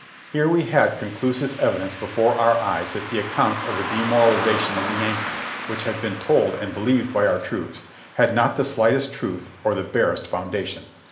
Here we had conclusive evidence before our eyes that the accounts of the demoralization of the Yankees, which had been told and. believed by our troops, had not the slightest truth or the barest foundation.